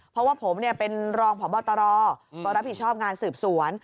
เพราะว่าผมเป็นรองพบตรก็รับผิดชอบงานสืบสวน